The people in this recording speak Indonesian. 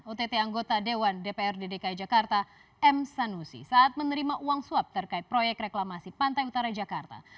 ott anggota dewan dpr dki jakarta m sanusi saat menerima uang suap terkait proyek reklamasi pantai utara jakarta